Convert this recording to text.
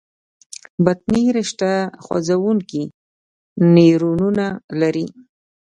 بطني رشته خوځېدونکي نیورونونه لري.